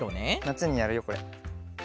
なつにやるよこれ。